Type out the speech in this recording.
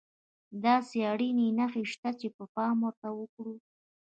داسې اړينې نښې شته چې پام ورته وکړو.